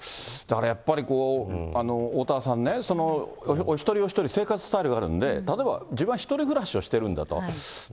だからやっぱり、おおたわさんね、そのお一人お一人、生活スタイルがあるんで、例えば自分は１人暮らしをしてるんだと。